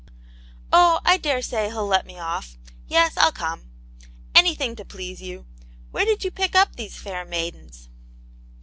" Oh, I daresay he'll let me off. Yes, Til come. Anything to please you. Where did you pick up these fair maidens